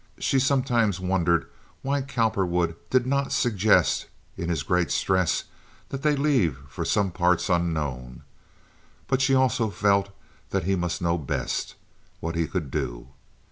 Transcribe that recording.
She sometimes wondered why Cowperwood did not suggest, in his great stress, that they leave for some parts unknown; but she also felt that he must know best what he could do.